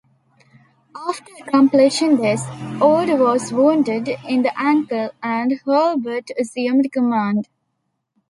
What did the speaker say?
After accomplishing this, Ord was wounded in the ankle and Hurlbut assumed command.